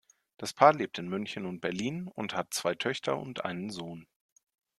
Das Paar lebt in München und Berlin und hat zwei Töchter und einen Sohn.